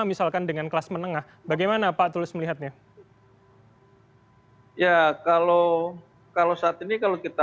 misalkan dengan kelas menengah bagaimana pak tulus melihatnya ya kalau kalau saat ini kalau kita